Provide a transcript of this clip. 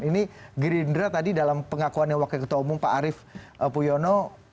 ini gerindra tadi dalam pengakuannya wakil ketua umum pak arief puyono